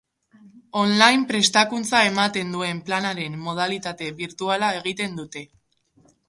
On-line Prestakuntza ematen duen Planaren modalitate birtuala egiten dute.